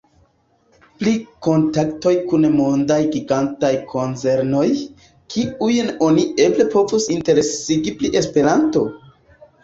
Pri kontaktoj kun mondaj gigantaj konzernoj, kiujn oni eble povus interesigi pri Esperanto?